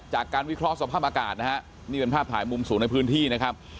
วิเคราะห์สภาพอากาศนะฮะนี่เป็นภาพถ่ายมุมสูงในพื้นที่นะครับ